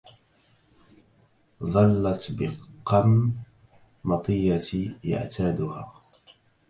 ظلت بقم مطيتي يعتادها